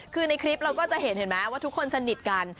คือในคลิปเราก็จะเห็นเห็นไหมว่าทุกคนสนิทกัน